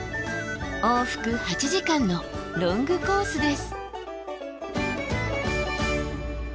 往復８時間のロングコースです。